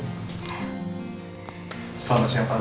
selamat siang pak